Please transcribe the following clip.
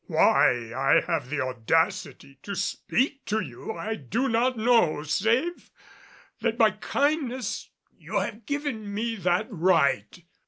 Why I have the audacity to speak to you I do not know, save that by kindness you have given me that right.